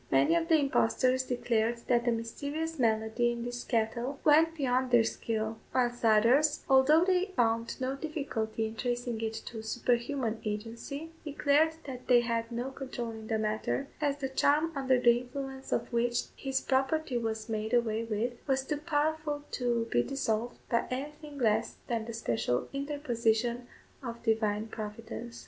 Many of the impostors declared that the mysterious malady in his cattle went beyond their skill; whilst others, although they found no difficulty in tracing it to superhuman agency, declared that they had no control in the matter, as the charm under the influence of which his property was made away with, was too powerful to be dissolved by anything less than the special interposition of Divine Providence.